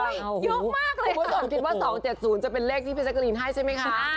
ผมคิดว่า๒๗๐จะเป็นเลขที่พี่แซกรีนให้ใช่ไหมคะ